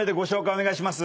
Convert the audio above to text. お願いします。